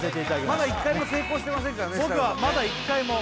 まだ一回も成功してませんからね設楽さんね